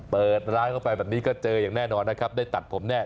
เปิดร้านเข้าไปแบบนี้ก็เจออย่างแน่นอนนะครับได้ตัดผมแน่